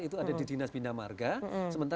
itu ada di dinas bindamarga